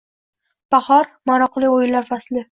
Bahor – maroqli oʻyinlar fasli